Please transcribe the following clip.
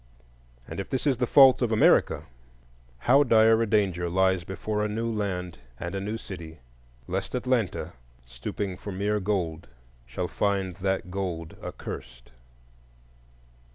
And if this is the fault of America, how dire a danger lies before a new land and a new city, lest Atlanta, stooping for mere gold, shall find that gold accursed!